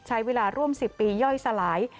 ใช้เวลาร่วม๑๐ปีย่อยสลาย